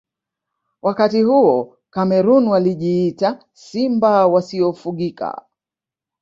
wakati huo cameroon walijiita simba wasiofugika